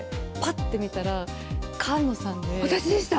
私でした？